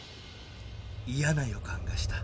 嫌な予感がした